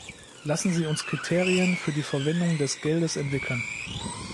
Lassen Sie uns Kriterien für die Verwendung des Geldes entwickeln.